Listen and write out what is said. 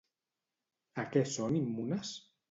A què són immunes?